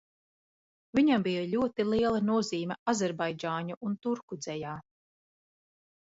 Viņam bija ļoti liela nozīme azerbaidžāņu un turku dzejā.